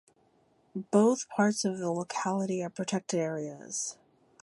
Both parts of the locality are protected areas.